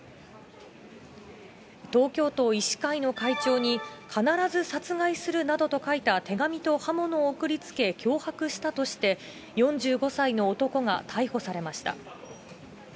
東京都医師会の会長に必ず殺害するなどと書いた手紙と刃物を送りつけ、脅迫したとして、４５歳の男が逮捕されました。